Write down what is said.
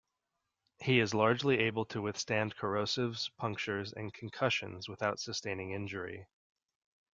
He is largely able to withstand corrosives, punctures and concussions without sustaining injury.